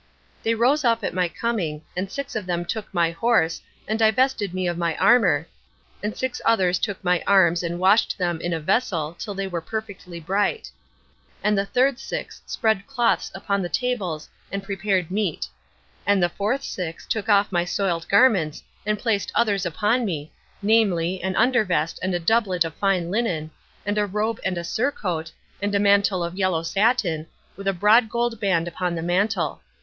They rose up at my coming, and six of them took my horse, and divested me of my armor, and six others took my arms and washed them in a vessel till they were perfectly bright. And the third six spread cloths upon the tables and prepared meat. And the fourth six took off my soiled garments and placed others upon me, namely, an under vest and a doublet of fine linen, and a robe and a surcoat, and a mantle of yellow satin, with a broad gold band upon the mantle.